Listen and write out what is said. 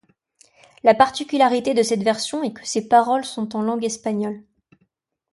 La particularité de cette version est que ses paroles sont en langue espagnole.